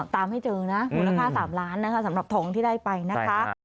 ตามให้เจอนะมูลค่า๓ล้านนะคะสำหรับทองที่ได้ไปนะคะ